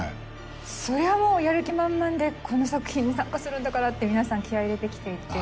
そりゃもうやる気満々でこの作品に参加するんだからって皆さん気合入れてきていて。